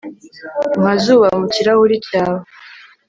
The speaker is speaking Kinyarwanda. Nka zuba mu kirahure cyawe